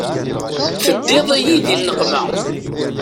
Teddiḍ-iyi di nneqma.